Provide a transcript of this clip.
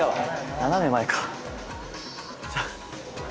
斜め前か。